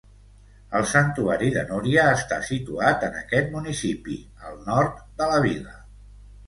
El santuari de Núria està situat en aquest municipi, al nord de la vila.